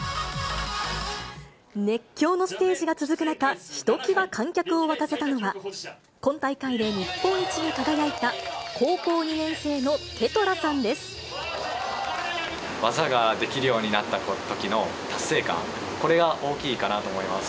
熱狂のステージが続く中、ひときわ観客を沸かせたのは、今大会で日本一に輝いた高校２年技ができるようになったときの達成感、これが大きいかなと思います。